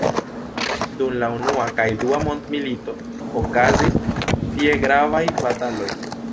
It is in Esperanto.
Dum la unua kaj dua mondmilitoj, okazis tie gravaj bataloj.